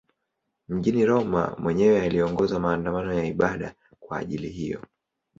Mjini Roma mwenyewe aliongoza maandamano ya ibada kwa ajili hiyo.